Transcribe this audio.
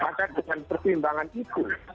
maka dengan pertimbangan itu